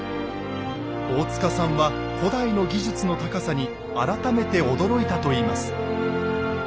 大塚さんは古代の技術の高さに改めて驚いたといいます。